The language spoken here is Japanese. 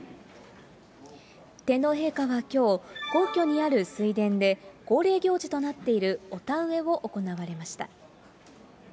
天皇陛下はきょう、皇居にある水田で、恒例行事となっているお田植えを行われました。